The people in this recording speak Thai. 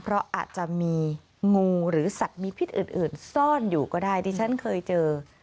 เพราะอาจจะมีงูหรือสัตว์มีพิษอื่นซ่อนอยู่ก็ได้ดิฉันเคยเจอ